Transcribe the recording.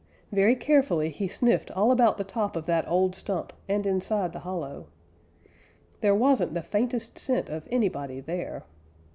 Very carefully he sniffed all about the top of that old stump and inside the hollow. There wasn't the faintest scent of anybody there.